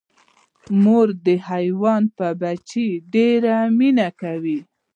مور حیوان په بچي ډیره مینه کوي